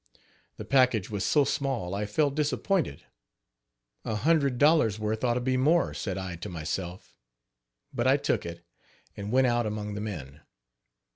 " The package was so small I felt disappointed a hundred dollars worth ought to be more, said I to myself; but I took it, and went out among the men.